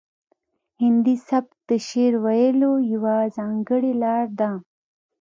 هندي سبک د شعر ویلو یوه ځانګړې لار ده